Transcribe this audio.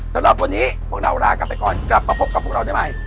สำหรับวันนี้พวกเราลากลับไปก่อนกลับมาพบกับพวกเราได้ใหม่